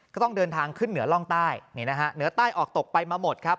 ก็ต้องเดินทางขึ้นเหนือร่องใต้นี่นะฮะเหนือใต้ออกตกไปมาหมดครับ